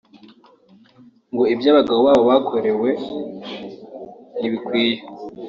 ngo ibyo abagabo babo bakorewe ntibikwiye